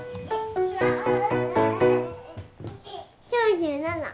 ９７。